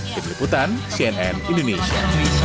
diliputan cnn indonesia